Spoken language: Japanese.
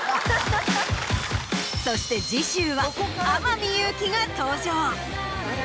そして次週は天海祐希が登場。